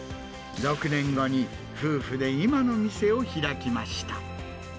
６年後に夫婦で今の店を開きました。